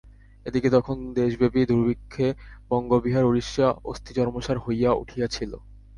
এদিকে তখন দেশব্যাপী দুর্ভিক্ষে বঙ্গ বিহার উড়িষ্যা অস্থিচর্মসার হইয়া উঠিয়াছিল।